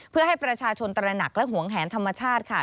เพื่อให้ประชาชนตระหนักและหวงแหนธรรมชาติค่ะ